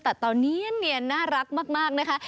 ตัดต่อเนี้ยนน่ารักมากนะคะ